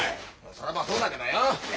そらまそうだけどよ。